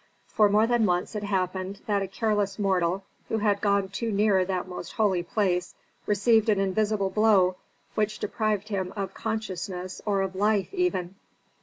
For more than once it happened that a careless mortal who had gone too near that most holy place received an invisible blow which deprived him of consciousness or of life, even.